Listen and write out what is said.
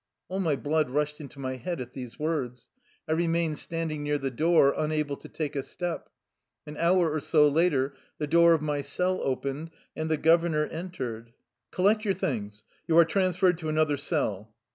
All my blood rushed into my head at these words. I remained standing near the door, un able to take a step. An hour or so later the door of my cell opened, and the governor entered. " Collect your things. You are transferred to another cell."